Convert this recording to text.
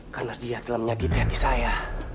karena dia telah menyakiti hati saya